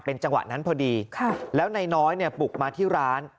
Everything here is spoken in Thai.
เป็นจังหวัดนั้นพอดีแล้วนายน้อยปลุกมาที่ร้าน